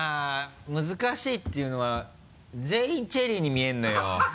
難しいっていうのは全員チェリーに見えるのよ。